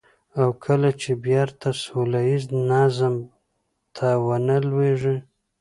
او کله چې بېرته سوله ييز نظم ته ونه لوېږي.